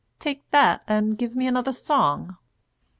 "Take that, and give me another song."